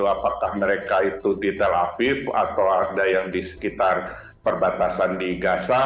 apakah mereka itu di tel aviv atau ada yang di sekitar perbatasan di gaza